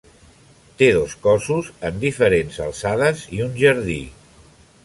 Té dos cossos en diferents alçades i un jardí.